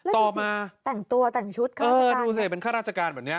แล้วดูสิแต่งตัวแต่งชุดค่าราชการ